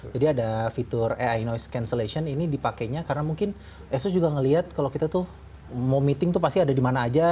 jadi ada fitur ai noise cancellation ini dipakainya karena mungkin asus juga melihat kalau kita tuh mau meeting tuh pasti ada di mana aja